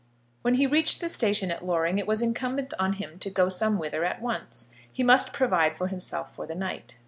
When he reached the station at Loring it was incumbent on him to go somewhither at once. He must provide for himself for the night.